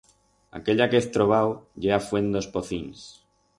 Aquella que hez trobau ye a fuent d'os Pocins.